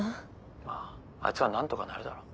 まああいつはなんとかなるだろ。